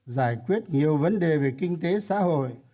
giải quyết nhiều vấn đề về kinh tế xã hội